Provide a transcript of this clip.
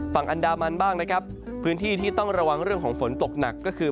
ฝั่งอันดามันบ้างนะครับพื้นที่ที่ต้องระวังเรื่องของฝนตกหนักก็คือ